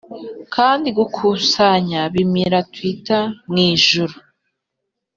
kandi gukusanya bimira twitter mwijuru.